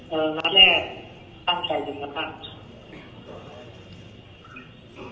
เออนั้นแรกตั้งใจยิงนะครับ